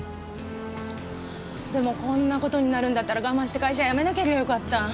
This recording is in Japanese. でもこんな事になるんだったら我慢して会社辞めなけりゃよかった。